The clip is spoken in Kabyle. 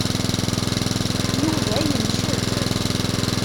Yuba yencef.